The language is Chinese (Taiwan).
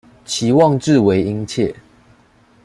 期望至為殷切